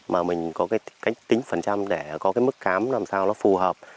mà mình có cách tính phần trăm để có mức cám làm sao nó phù hợp